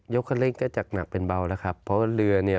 จะจักหนักเป็นเบาแล้วครับเพราะเรือเนี่ย